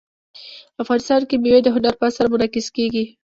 افغانستان کې مېوې د هنر په اثار کې منعکس کېږي.